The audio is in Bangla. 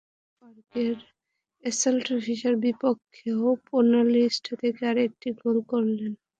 যার ফল, ভিলা পার্কে অ্যাস্টন ভিলার বিপক্ষেও পেনাল্টি থেকে আরেকটি গোল করলেন।